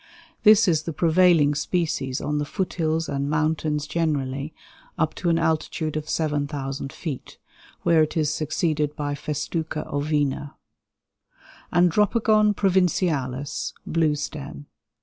This is the prevailing species on the foot hills and mountains generally, up to an altitude of 7,000 feet, where it is succeeded by Festuca ovina. Andropogon provincialis (blue stem).